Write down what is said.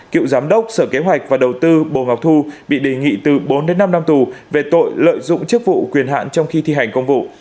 cựu giám đốc sở kế hoạch và đầu tư bồ ngọc thu bị đề nghị từ bốn đến năm năm tù về tội lợi dụng chức vụ quyền hạn trong khi thi hành công vụ